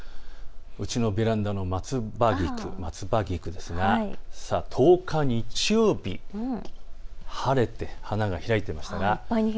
うちのベランダのマツバギクですが１０日日曜日、晴れて花が開いていました。